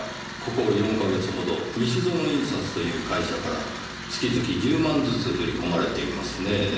ここ４カ月ほどニシゾノ印刷という会社から月々１０万ずつ振り込まれていますねぇ。